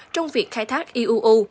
trong việc khai thác iuu